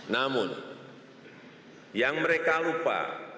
namun yang mereka lupa